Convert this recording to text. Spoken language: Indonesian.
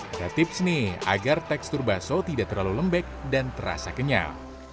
ada tips nih agar tekstur bakso tidak terlalu lembek dan terasa kenyal